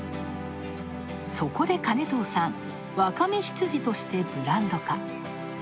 そこで金藤さん、わかめ羊としてブランド化。